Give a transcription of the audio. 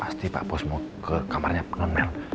pasti pak bos mau ke kamarnya penuh mel